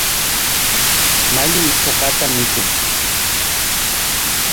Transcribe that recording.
Mallim uqata mikun.